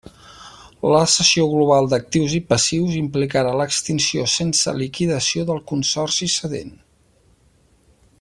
La cessió global d'actius i passius implicarà l'extinció sense liquidació del consorci cedent.